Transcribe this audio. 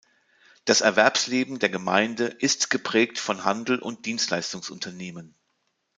Das Erwerbsleben der Gemeinde ist geprägt von Handel- und Dienstleistungsunternehmen.